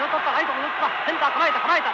センター構えた構えた。